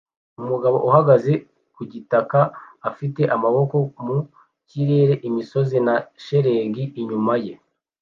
Umugabo ahagaze ku gitaka afite amaboko mu kirere imisozi na shelegi inyuma ye